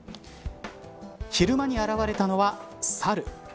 昼間に現れたのはサル。